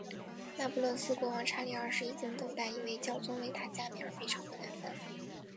那不勒斯国王查理二世已经等待一位教宗为他加冕而非常不耐烦。